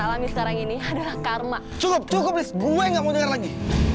alami sekarang ini adalah karma cukup cukup gue nggak mau lagi